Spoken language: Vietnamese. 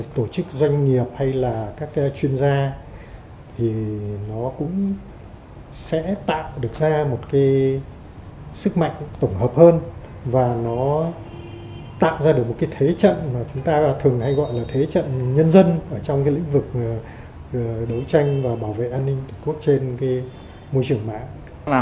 tổ chức doanh nghiệp hay là các chuyên gia thì nó cũng sẽ tạo được ra một cái sức mạnh tổng hợp hơn và nó tạo ra được một cái thế trận mà chúng ta thường hay gọi là thế trận nhân dân trong cái lĩnh vực đấu tranh và bảo vệ an ninh trên môi trường mạng